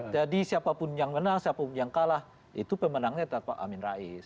jadi siapapun yang menang siapapun yang kalah itu pemenangnya pak amin rais